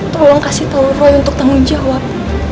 tolong kasih tahu roy untuk tanggung jawab